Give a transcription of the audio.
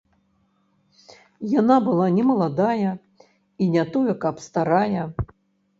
Яна была не маладая і не тое каб старая.